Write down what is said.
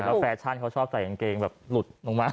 แล้วแฟชั่นเขาชอบใส่กางเกงแบบหลุดลงมา